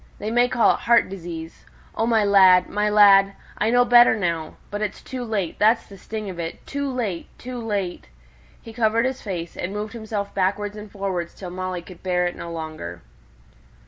They may call it heart disease O my lad, my lad, I know better now; but it's too late that's the sting of it too late, too late!" He covered his face, and moved himself backward and forward till Molly could bear it no longer.